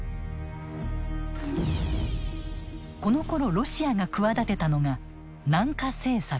このころロシアが企てたのが南下政策。